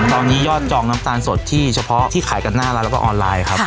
ตอนนี้ยอดจองน้ำตาลสดที่เฉพาะที่ขายกันหน้าร้านแล้วก็ออนไลน์ครับ